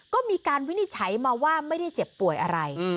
ก็มีการวินิจฉัยมาว่าไม่ได้เจ็บป่วยอะไร